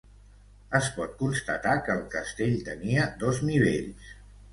Es pot constatar que el castell tenia dos nivells.